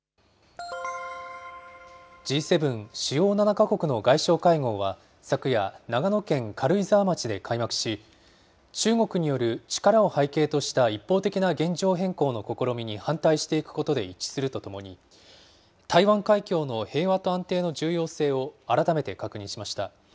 Ｇ７・主要７か国の外相会合は、昨夜、長野県軽井沢町で開幕し、中国による力を背景とした一方的な現状変更の試みに反対していくことで一致するとともに、台湾海峡の平和と安定の重要性を改めて確認しました。